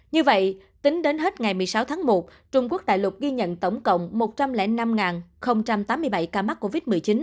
như vậy tính đến hết ngày một mươi sáu tháng một trung quốc đại lục ghi nhận tổng cộng một trăm linh năm tám mươi bảy ca mắc covid một mươi chín